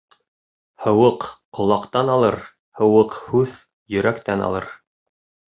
Һыуыҡ ҡолаҡтан алыр, һыуыҡ һүҙ йөрәктән алыр.